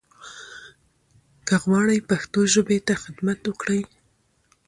که غواړٸ پښتو ژبې ته خدمت وکړٸ